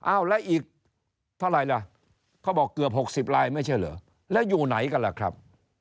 แล้วอีกเท่าไหร่ล่ะเขาบอกเกือบ๖๐ลายไม่ใช่เหรอแล้วอยู่ไหนกันล่ะครับ